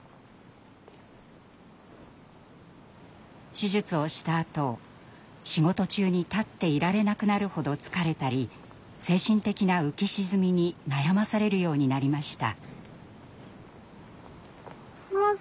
手術をしたあと仕事中に立っていられなくなるほど疲れたり精神的な浮き沈みに悩まされるようになりました。